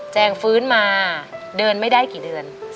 แงฟื้นมาเดินไม่ได้กี่เดือน